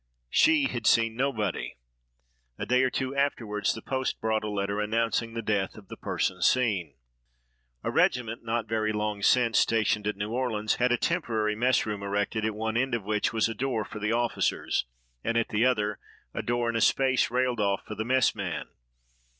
She had seen nobody. A day or two afterward, the post brought a letter announcing the death of the person seen. A regiment, not very long since, stationed at New Orleans, had a temporary mess room erected, at one end of which was a door for the officers, and at the other, a door and a space railed off for the messman.